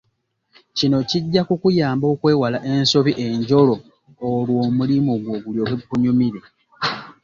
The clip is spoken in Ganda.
Kino kijja kukuyamba okwewala ensobi enjolo olwo omulimu gwo gulyoke gukunyumire.